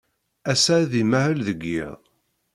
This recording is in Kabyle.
Ass-a, ad imahel deg yiḍ.